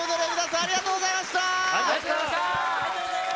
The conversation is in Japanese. ありがとうございます。